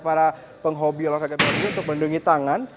para penghobi olahraga berikut untuk melindungi tangan